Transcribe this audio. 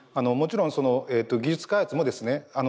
もちろん技術開発もですね